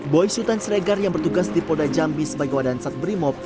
boy sultan sregar yang bertugas di poda jambi sebagai wadahansat berimob